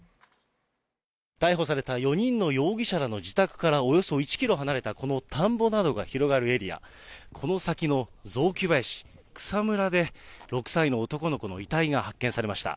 逮捕された４人の容疑者らの自宅から、およそ１キロ離れたこの田んぼなどが広がるエリア、この先の雑木林、草むらで、６歳の男の子の遺体が発見されました。